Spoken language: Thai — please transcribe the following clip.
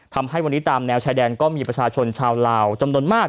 ทำให้วันนี้ตามแนวชายแดนก็มีประชาชนชาวลาวจำนวนมาก